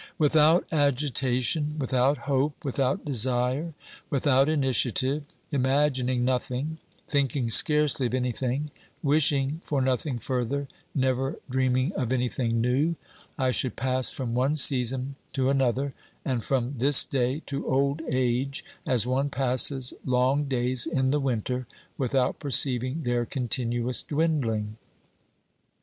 Without agitation, without hope, without desire, without initiative, imagining nothing, think ing scarcely of anything, wishing for nothing further, never dreaming of anything new, I should pass from one season to another, and from this day to old age, as one passes long days in the winter without perceiving their continuous dwindling.